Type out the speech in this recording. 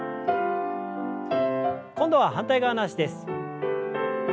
今度は反対側の脚です。